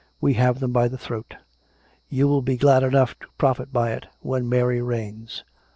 " We have them by the throat. You will be glad enough to profit by it, when Mary reigns.